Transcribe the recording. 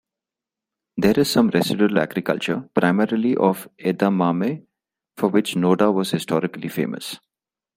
There is some residual agriculture, primarily of "edamame", for which Noda was historically famous.